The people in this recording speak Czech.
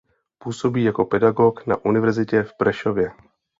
Působí jako pedagog na univerzitě v Prešově.